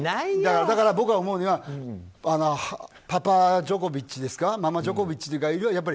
だから僕が思うにはパパジョコビッチとかママジョコビッチがいる。